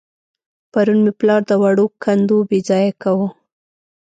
پرون مې پلار د وړو کندو بېځايه کاوه.